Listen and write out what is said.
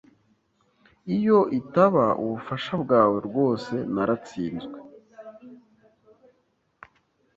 Iyo itaba ubufasha bwawe, rwose naratsinzwe.